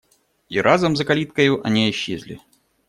И разом за калиткою они исчезли.